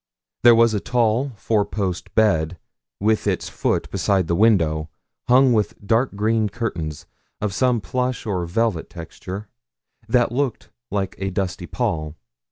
There was a tall four post bed, with its foot beside the window, hung with dark green curtains, of some plush or velvet texture, that looked like a dusty pall.